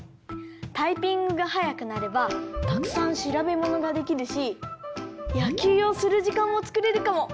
タイピングがはやくなればたくさんしらべものができるしやきゅうをするじかんもつくれるかも。